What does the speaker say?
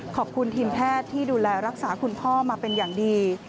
ขอบคุณทีมแพทย์ที่ดูแลรักษาคุณพ่อมาเป็นอย่างดี